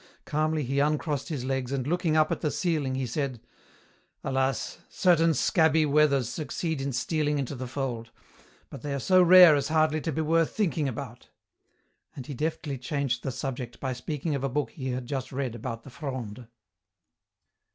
Calmly he uncrossed his legs and looking up at the ceiling he said, "Alas, certain scabby wethers succeed in stealing into the fold, but they are so rare as hardly to be worth thinking about." And he deftly changed the subject by speaking of a book he had just read about the Fronde.